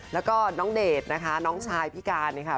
แล้วก็น้องเดชนะคะน้องชายพี่การ